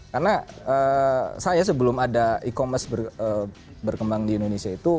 karena saya sebelum ada e commerce berkembang di indonesia itu